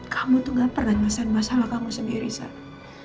kamu tuh gak pernah nyelesain masalah kamu sendiri sara